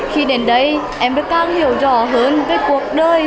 khi đến đây em được càng hiểu rõ hơn về cuộc đời